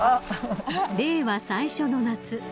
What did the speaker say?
［令和最初の夏］